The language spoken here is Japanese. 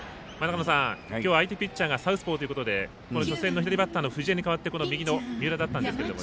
今日は相手ピッチャーがサウスポーということで左バッターの藤江に代わって三浦だったんですが。